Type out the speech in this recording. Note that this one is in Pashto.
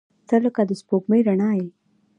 • ته لکه د سپوږمۍ رڼا یې.